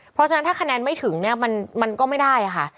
เพราะฉะนั้นถ้าคะแนนไม่ถึงเนี่ยมันก็ไม่ได้ค่ะ